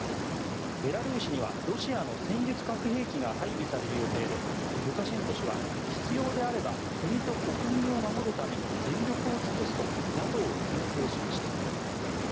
ベラルーシにはロシアの戦術核兵器が配備される予定でルカシェンコ氏は必要であれば国と国民を守るために全力を尽くすとＮＡＴＯを牽制しました。